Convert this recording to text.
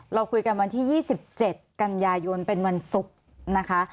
เราคุยกันวันที่๒๗กันยายนเป็นวันศุกร์นะคะ